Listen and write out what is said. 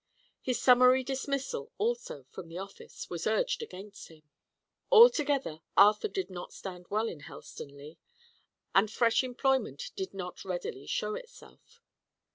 His summary dismissal, also, from the office, was urged against him. Altogether, Arthur did not stand well with Helstonleigh; and fresh employment did not readily show itself.